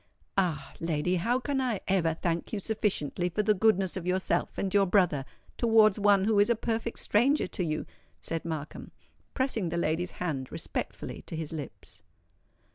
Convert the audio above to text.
"Ah! lady, how can I ever thank you sufficiently for the goodness of yourself and your brother towards one who is a perfect stranger to you?" said Markham, pressing the lady's hand respectfully to his lips.